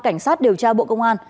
cảnh sát điều tra bộ công an